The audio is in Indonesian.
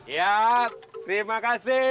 ya terima kasih